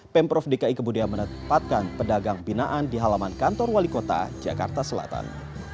pemprov dki kemudian menempatkan pedagang binaan di halaman kantor wali kota jakarta selatan